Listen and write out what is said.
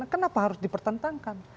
kenapa harus dipertentangkan